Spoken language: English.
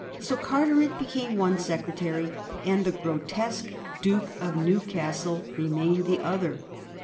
So Carteret became one secretary, and the gro tesque Duke of Newcastle remained the other.